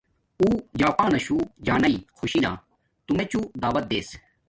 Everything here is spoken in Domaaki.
او جپاناشو جانݵ خوشی نا تو میچوں دعوت دیس